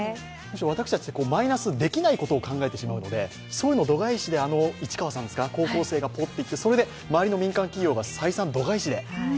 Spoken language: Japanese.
私たち、マイナス、できないことを考えてしまうのでそういうのを度外視で、市川さんですか、あの高校生がそれで周りの民間企業が採算度外視で。